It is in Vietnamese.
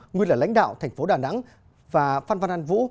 nguyên là lãnh đạo thành phố đà nẵng và phan văn an vũ